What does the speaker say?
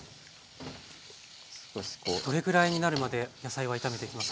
どれぐらいになるまで野菜は炒めていきますか？